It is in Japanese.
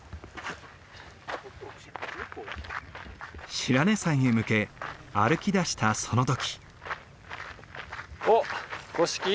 白根山へ向け歩きだしたその時。